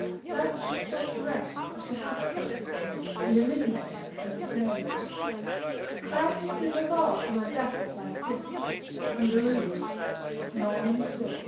Such was the wreck of the Hesperus, In the midnight and the snow! Christ save us all from a death like this, On the reef of Norman's Woe!